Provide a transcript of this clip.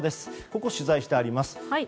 ここを取材してあります。